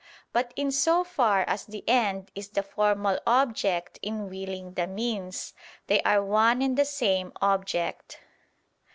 But in so far as the end is the formal object in willing the means, they are one and the same object.